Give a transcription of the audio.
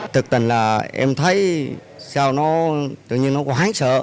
thực tình là em thấy sao nó tự nhiên nó quán sợ